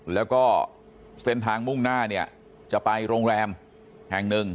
แล้วก็เส้นทางมุ่งหน้าเนี่ยจะไปโรงแรมแห่งหนึ่ง